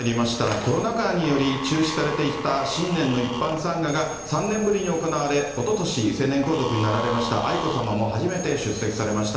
コロナ禍により中止されていた新年の一般参賀が３年ぶりに行われ、おととし、成年皇族になられました愛子さまも初めて出席されました。